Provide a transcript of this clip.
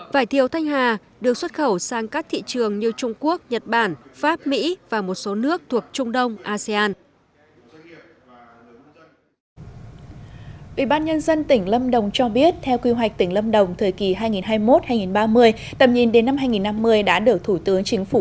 vải thiều thanh hà được xuất khẩu sang các thị trường như trung quốc nhật bản pháp mỹ và một số nước thuộc trung đông asean